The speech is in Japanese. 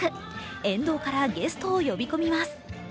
沿道からゲストを呼び込みます。